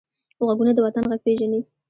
غوږونه د وطن غږ پېژني